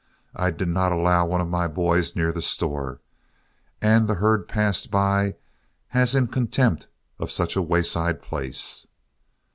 I did not allow one of my boys near the store, and the herd passed by as in contempt of such a wayside place.